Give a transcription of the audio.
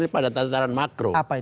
pada tataran makro